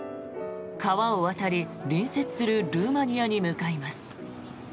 川を渡り隣接するルーマニアに向かいます。